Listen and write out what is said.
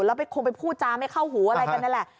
แล้วคงไปพูดจ้าไม่เข้าหูอะไรกัน